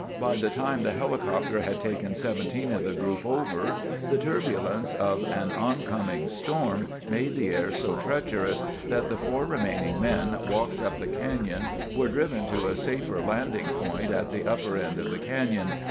By the time the helicopter had taken seventeen of the group over, the turbulence of an oncoming storm made the air so treacherous that the four remaining men walked up the canyon, were driven to a safer landing point at the upper end of the canyon.